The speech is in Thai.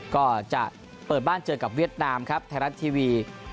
ก็จะเปิดบ้านเจอกับเวียดนามครับไทยรัฐทีวี